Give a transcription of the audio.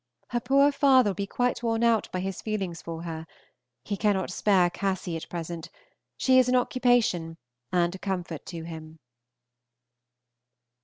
Her poor father will be quite worn out by his feelings for her; he cannot spare Cassy at present, she is an occupation and a comfort to him.